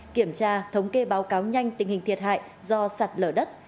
kiểm tra thống kê báo cáo nhanh tình hình thiệt hại do sạt lở đất